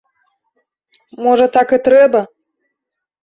Можа так і трэба?